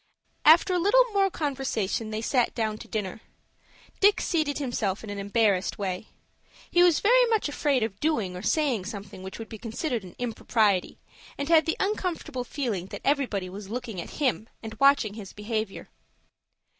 After a little more conversation they sat down to dinner. Dick seated himself in an embarrassed way. He was very much afraid of doing or saying something which would be considered an impropriety, and had the uncomfortable feeling that everybody was looking at him, and watching his behavior.